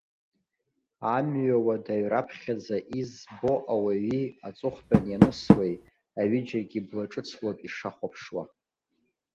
Амҩа уадаҩ раԥхьаӡа избо ауаҩи аҵыхәтәан ианысуеи, аҩыџьагьы бла ҿыцлоуп ишахәаԥшуа.